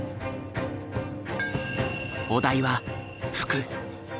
お題は「服」。